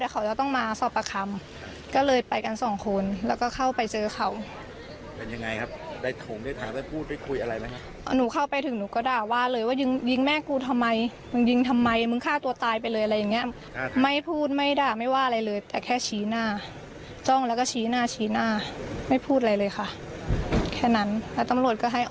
ก็แย่น่าจะตรงแล้วก็ชี้หน้าชี้หน้า